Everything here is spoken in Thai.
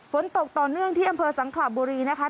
ฝนตกต่อเนื่องที่อำเภอสังขลาบุรีนะคะ